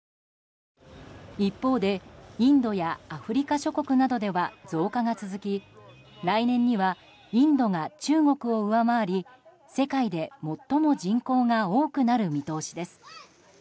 一方でインドやアフリカ諸国などでは増加が続き来年にはインドが中国を上回り世界で最も人口が多くなる見通しです。